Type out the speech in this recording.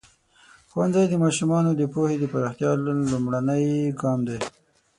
ښوونځی د ماشومانو د پوهې د پراختیا لومړنی ګام دی.